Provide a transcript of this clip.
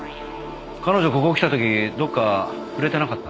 彼女ここに来た時どこか触れてなかった？